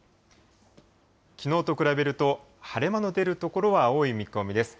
きのうと比べると、晴れ間の出る所は多い見込みです。